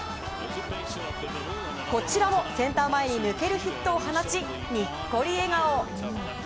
こちらもセンター前に抜けるヒットを放ちニッコリ笑顔。